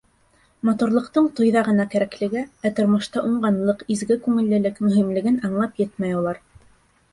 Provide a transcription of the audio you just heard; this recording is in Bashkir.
Матурлыҡтың туйҙа ғына кәрәклеге, ә тормошта уңғанлыҡ, изге күңеллелек мөһимлеген аңлап етмәй улар.